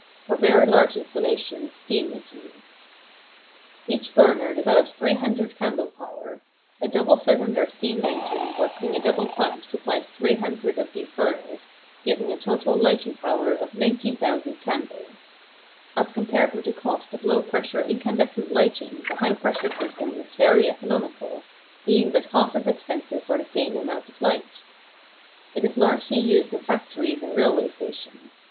For very large installations steam is used. Each burner develops 300 candle power. A double cylinder steam engine working a double pump supplies 300 of these burners, giving a total lighting power of 90,000 candles. As compared with the cost of low pressure incandescent lighting the high pressure system is very economical, being but half as expensive for the same amount of light. It is largely used in factories and railway stations.